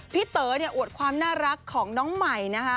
เต๋อเนี่ยอวดความน่ารักของน้องใหม่นะคะ